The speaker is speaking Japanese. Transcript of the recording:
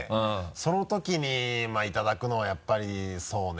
そのときにいただくのはやっぱりそうね。